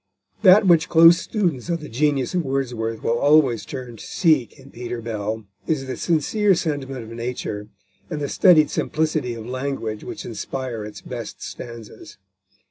That which close students of the genius of Wordsworth will always turn to seek in Peter Bell is the sincere sentiment of nature and the studied simplicity of language which inspire its best stanzas.